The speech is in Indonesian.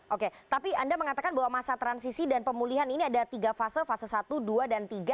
oke tapi anda mengatakan bahwa masa transisi dan pemulihan ini ada tiga fase fase satu dua dan tiga